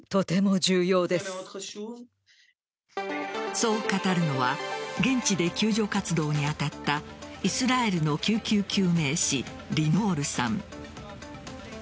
そう語るのは現地で救助活動に当たったイスラエルの救急救命士リノールさん。